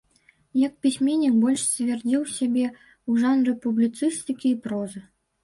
Як пісьменнік больш сцвердзіў сябе ў жанры публіцыстыкі і прозы.